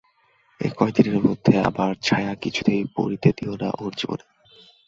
এই কয়দিনের মধ্যে আমার ছায়া কিছুতেই পড়তে দিয়ো না ওঁর জীবনে।